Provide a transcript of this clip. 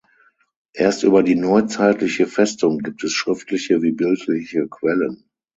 Erst über die neuzeitliche Festung gibt es schriftliche wie bildliche Quellen.